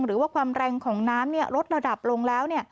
หรือว่าความแรงของน้ำลดระดับลงแล้ว